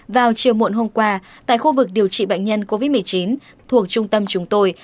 vào chiều muộn hôm qua tại khu vực điều trị bệnh nhân covid một mươi chín thuộc trung tâm chúng tôi